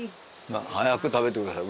早く食べてください。